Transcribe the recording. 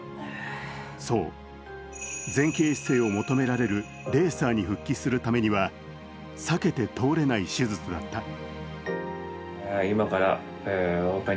そう、前傾姿勢を求められるレーサーに復帰するためには避けて通れない手術だった。